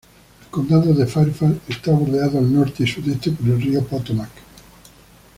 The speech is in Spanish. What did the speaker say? El condado de Fairfax está bordeado al norte y sudeste por el río Potomac.